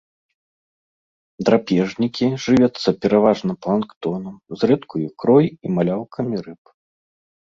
Драпежнікі, жывяцца пераважна планктонам, зрэдку ікрой і маляўкамі рыб.